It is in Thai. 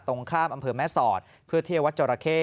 ตรงข้ามอำเภอแม่สอดเพื่อเที่ยววัดจราเข้